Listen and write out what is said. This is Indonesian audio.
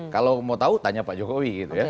kalau mau tahu tanya pak jokowi gitu ya